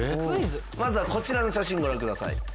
まずはこちらの写真ご覧ください。